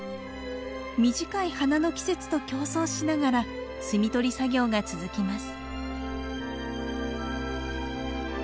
短い花の季節と競争しながら摘み取り作業が続きます。